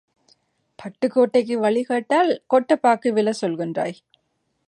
பட்டுக்கோட்டைக்கு வழி கேட்டால், கொட்டைப் பாக்கு விலை சொல்லுகின்றாய்.